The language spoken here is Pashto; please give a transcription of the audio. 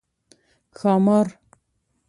🐉ښامار